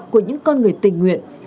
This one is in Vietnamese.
của những con người tình nguyện